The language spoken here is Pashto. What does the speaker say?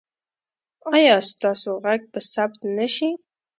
ایا ستاسو غږ به ثبت نه شي؟